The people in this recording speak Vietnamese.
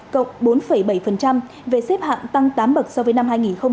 cộng bốn bảy về xếp hạng tăng tám bậc so với năm hai nghìn một mươi bảy